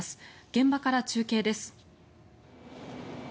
現場から中継です。